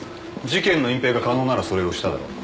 事件の隠ぺいが可能ならそれをしただろう